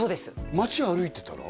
街歩いてたら？